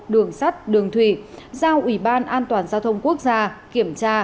đường sắt đường thủy giao ủy ban an toàn giao thông quốc gia kiểm tra